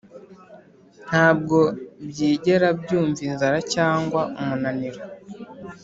Nta bwo byigera byumva inzara cyangwa umunaniro,